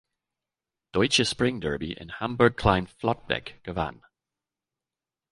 Deutsche Springderby in Hamburg-Klein Flottbek gewann.